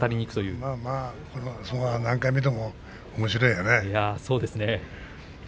これは何回見てもおもしろいよね。